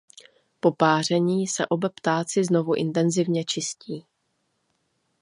Po páření se oba ptáci znovu intenzivně čistí.